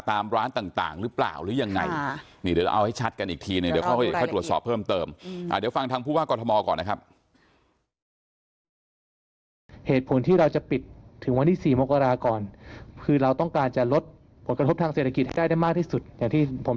ตามร้านต่างหรือเปล่าหรือยังไงนี่เดี๋ยวเราเอาให้ชัดกันอีกทีเนี่ย